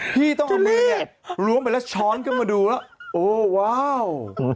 พี่ต้องเอามือล้วงไปแล้วช้อนขึ้นมาดูแล้วโอ้ว้าว